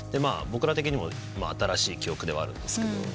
僕ら的にも新しい記憶ではあるんですけど。